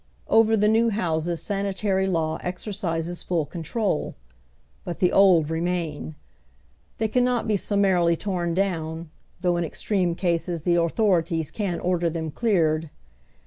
Over the new houses sanitary law exercises full controh But the old remain. They cannot be summarily torn down, tiiough in extreme cases the authorities can order them cleared.